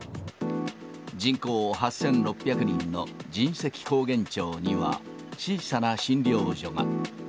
人口８６００人の神石高原町には小さな診療所が。